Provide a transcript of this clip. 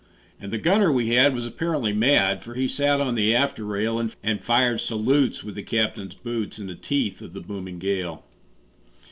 And the gunner we had was apparently mad, For he sat on the after rail, And fired salutes with the captain's boots, In the teeth of the booming gale.